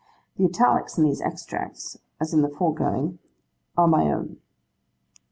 The italics in these extracts, as in the foregoing, are my own.